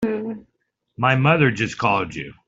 My mother just called you?